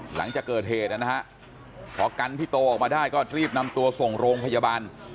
หลังจากเกิดเหตุนะฮะพอกันพี่โตออกมาได้ก็รีบนำตัวส่งโรงพยาบาล